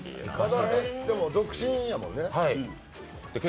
でも、独身やもんね。